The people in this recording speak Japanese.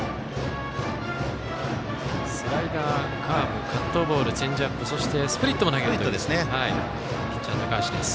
スライダー、カーブカットボールチェンジアップそして、スプリットも投げるピッチャー、高橋です。